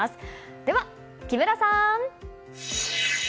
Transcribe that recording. では木村さん！